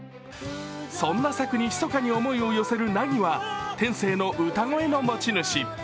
そんな朔にひそかに思いを寄せる凪は天性の歌声の持ち主。